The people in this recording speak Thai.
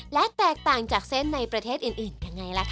และแตกต่างจากเส้นในประเทศอื่นยังไงล่ะค่ะ